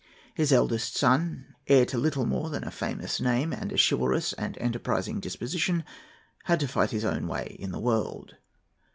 His eldest son, heir to little more than a famous name and a chivalrous and enterprising disposition, had to fight his own way in the world.